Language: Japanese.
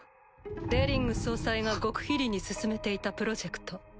デリング総裁が極秘裏に進めていたプロジェクト。